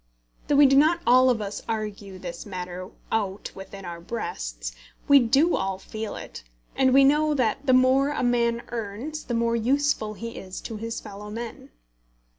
Though we do not all of us argue this matter out within our breasts, we do all feel it; and we know that the more a man earns the more useful he is to his fellow men.